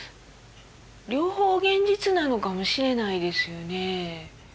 両方現実なのかもしれないですよね。